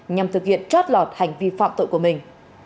nhằm thực hiện trót lọt hành vi phạm tội của mình